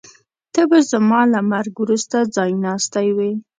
ته به زما له مرګ وروسته ځایناستی وې.